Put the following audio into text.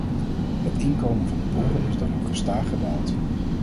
Het inkomen van de boeren is dan ook gestaag gedaald.